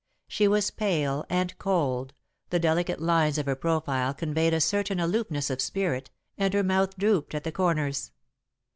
She was pale and cold, the delicate lines of her profile conveyed a certain aloofness of spirit, and her mouth drooped at the corners.